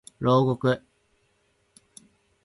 牢獄